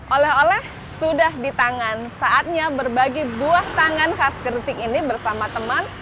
oleh oleh sudah di tangan saatnya berbagi buah tangan khas gresik ini bersama teman